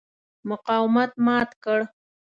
مقاومت مات کړ.